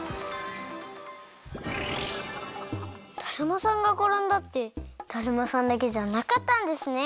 だるまさんがころんだってだるまさんだけじゃなかったんですね。